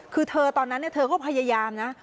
คือเธอตอนนั้นเธอก็พยายามนะ